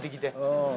うん。